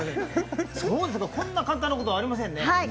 こんな簡単なことはありませんね。